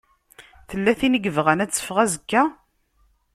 Tella tin i yebɣan ad teffeɣ azekka?